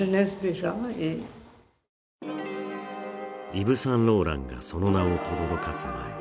イヴ・サンローランがその名をとどろかす前